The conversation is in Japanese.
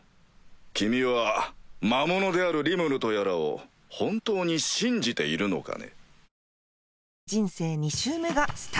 君は魔物であるリムルとやらを本当に信じているのかね？